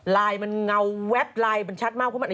ไลน์มันเงาแว๊บไลน์มันชัดมากอายุมักแล้ว